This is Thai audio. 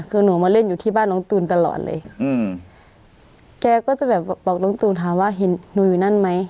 คือหนูมาเล่นอยู่ที่บ้านน้องตูนตลอดเลยอืมแกก็จะแบบบอกลุงตูนถามว่าเห็นหนูอยู่นั่นไหม